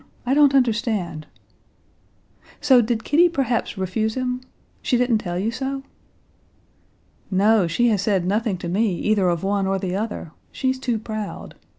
I don't understand...." "So did Kitty perhaps refuse him?... She didn't tell you so?" "No, she has said nothing to me either of one or the other; she's too proud.